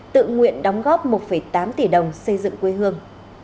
tự nguyện đóng góp một tám tỷ đồng xây dựng quê hương